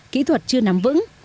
kỹ thuật chưa nắm vững